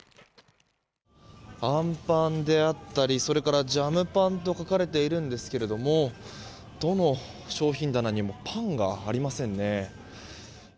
アンパンであったりそれからジャムパンと書かれているんですけどもどの商品棚にもパンがありませんね。